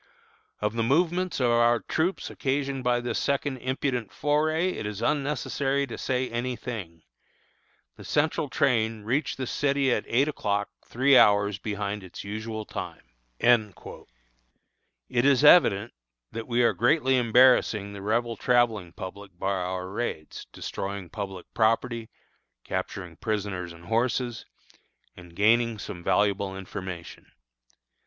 "Of the movements of our troops occasioned by this second impudent foray it is unnecessary to say any thing. The Central train reached this city at eight o'clock, three hours behind its usual time." It is evident that we are greatly embarrassing the Rebel travelling public by our raids, destroying public property, capturing prisoners and horses, and gaining some valuable information.